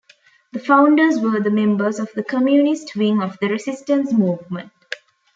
The founders were the members of the communist wing of the resistance movement.